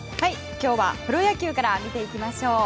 今日はプロ野球から見ていきましょう。